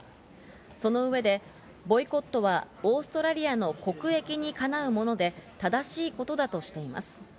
その上で、ボイコットはオーストラリアの国益にかなうもので、正しいことだとしています。